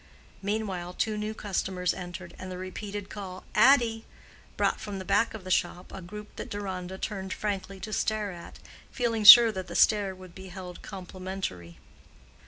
Meanwhile two new customers entered, and the repeated call, "Addy!" brought from the back of the shop a group that Deronda turned frankly to stare at, feeling sure that the stare would be held complimentary.